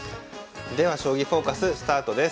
では「将棋フォーカス」スタートです。